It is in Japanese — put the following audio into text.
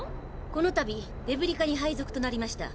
このたびデブリ課に配属となりました